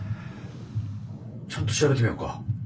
「ちゃんと調べてみようか」。